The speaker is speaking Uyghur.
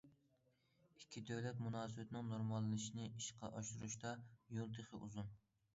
ئىككى دۆلەت مۇناسىۋىتىنىڭ نورماللىشىشىنى ئىشقا ئاشۇرۇشتا يول تېخى ئۇزۇن.